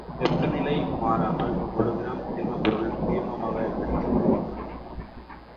வெப்பநிலை மாறாமல் ஒரு கிராம் திண்மப் பொருள் நீர்மமாக எடுத்துக் கொள்ளும் வெப்பம்.